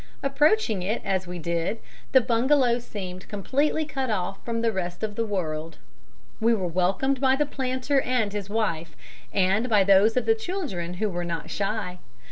Approaching it as we did, the bungalow seemed completely cut off from the rest of the world. We were welcomed by the planter and his wife, and by those of the children who were not shy.